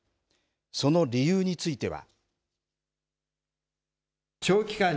その理由については。